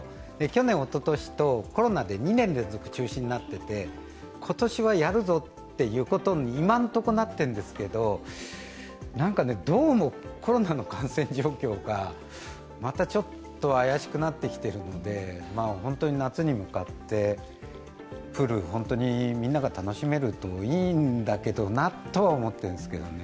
去年、おととしとコロナで２年連続中止になっていて今年はやるぞということに今のところ、なっているんですけど、どうもコロナの感染状況が、またちょっと怪しくなってきているので、本当に夏に向かって、プール、本当にみんなが楽しめるといいんだけどなとは思っているんですけどね。